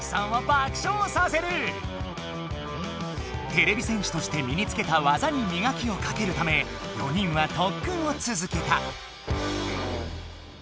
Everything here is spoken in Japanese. てれび戦士としてみにつけたわざにみがきをかけるため４人はとっくんをつづけた。